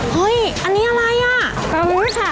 เฮ้ยนี่อะไรอะ